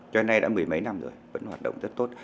cho đến nay đã mười mấy năm rồi vẫn hoạt động rất tốt